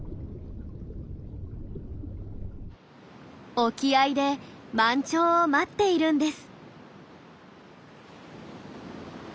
沖合で満潮を待っているんです。